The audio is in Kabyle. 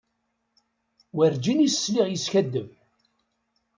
Werǧin i s-sliɣ yeskaddeb.